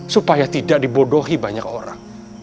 supaya tidak dibodohi banyak orang